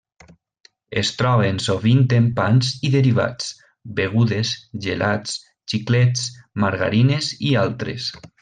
Es troben sovint en pans i derivats, begudes, gelats, xiclets, margarines i altres.